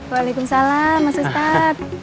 waalaikumsalam mas ustadz